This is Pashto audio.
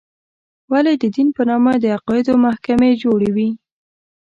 ولې د دین په نامه د عقایدو محکمې جوړې وې.